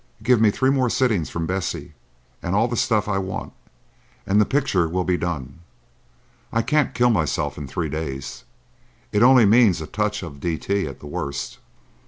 Give me three more sittings from Bessie and all—the stuff I want, and the picture will be done. I can't kill myself in three days. It only means a touch of D. T. at the worst."